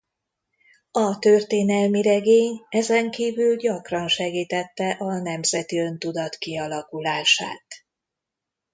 A történelmi regény ezenkívül gyakran segítette a nemzeti öntudat kialakulását.